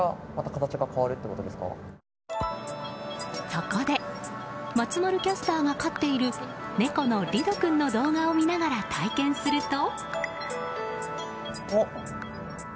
そこで松丸キャスターが飼っている猫のリド君の動画を見ながら体験すると。